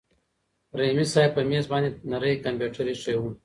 رحیمي صیب په مېز باندې نری کمپیوټر ایښی و.